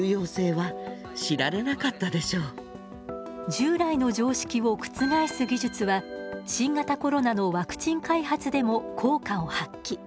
従来の常識を覆す技術は新型コロナのワクチン開発でも効果を発揮。